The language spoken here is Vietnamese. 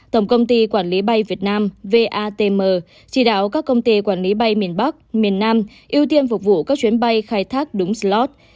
tổng công ty quản lý bay việt nam vatm chỉ đạo các công ty quản lý bay miền bắc miền nam ưu tiên phục vụ các chuyến bay khai thác đúng slot